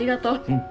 うん。